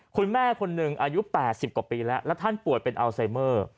คุณแม่คนหนึ่งอายุ๘๐กว่าปีแล้วแล้วท่านป่วยเป็นอัลไซเมอร์